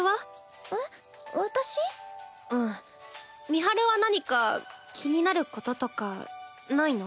美晴は何か気になることとかないの？